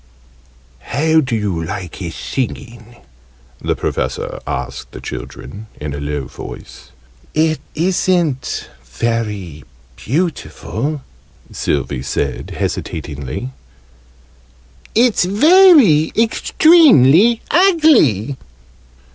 "How do you like his singing?" the Professor asked the children in a low voice. "It isn't very beautiful," Sylvie said, hesitatingly. "It's very extremely ugly!"